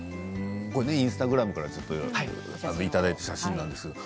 インスタグラムからねいただいた写真なんですけれど。